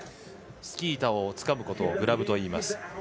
スキー板をつかむことをグラブといいます。